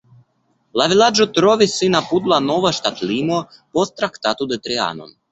La vilaĝo trovis sin apud la nova ŝtatlimo post Traktato de Trianon.